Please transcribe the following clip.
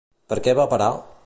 Per què va parar?